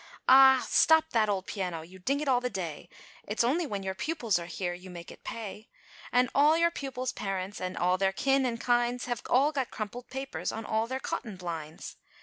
Ah! stop that old piano, you ding it all the day, It's only when your pupils are here, you make it pay; And all your pupils' parents, and all their kin, and kinds, Have all got crumpled papers, on all their cotton blinds."